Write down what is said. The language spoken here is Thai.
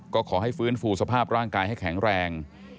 ก็ขอให้ฟื้นฟูสภาพร่างกายให้แข็งแรง